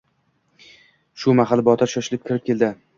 Shu mahal Botir shoshib kirib keldi